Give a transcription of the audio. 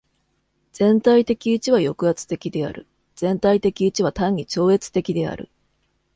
全体的一は抑圧的である。全体的一は単に超越的である。